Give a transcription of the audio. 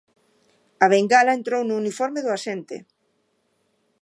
A bengala entrou no uniforme do axente.